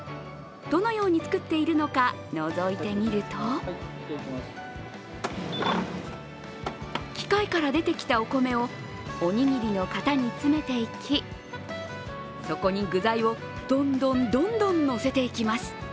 どのように作っているのかのぞいてみると機械から出てきたお米をおにぎりの型に詰めていき、そこに具材をどんどんどんどん乗せていきます